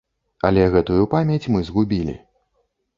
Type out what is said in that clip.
Але гэтую памяць мы згубілі.